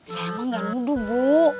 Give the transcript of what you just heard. saya emang gak luduh bu